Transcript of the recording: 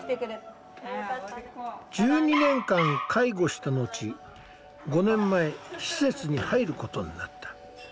１２年間介護をした後５年前施設に入ることになった。